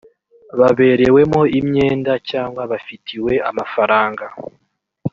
baberewemo imyenda cyangwa bafitiwe amafaranga